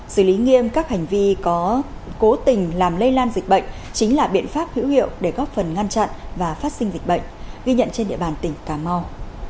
xử lý nghiêm các hành vi có cố tình làm lây lan dịch bệnh chính là biện pháp hữu hiệu để góp phần ngăn chặn và phát sinh dịch bệnh ghi nhận trên địa bàn tỉnh cà mau